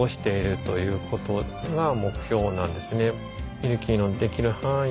ミルキーのできる範囲